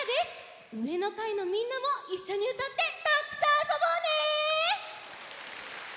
うえのかいのみんなもいっしょにうたってたっくさんあそぼうね！